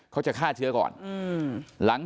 เขาจะฆ่าเชื้อก่อน